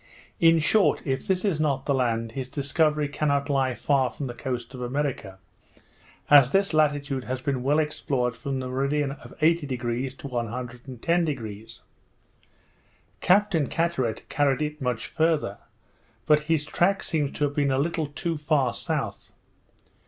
In short, if this is not the land, his discovery cannot lie far from the coast of America, as this latitude has been well explored from the meridian of 80° to 110°. Captain Carteret carried it much farther; but his track seems to have been a little too far south.